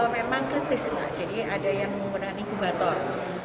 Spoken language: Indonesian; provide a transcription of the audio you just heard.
memang kritis mbak jadi ada yang menggunakan inkubator